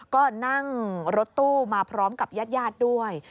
ก็นั่งรถตู้มาพร้อมกับญาติด้วย